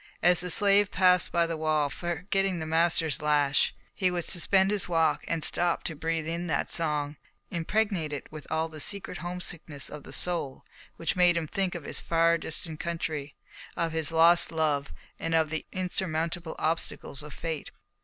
As the slave passed by the wall, forgetting the master's lash he would suspend his walk and stop to breathe in that song, impregnated with all the secret homesickness of the soul, which made him think of his far distant country, of his lost love, and of the insurmountable obstacles of fate.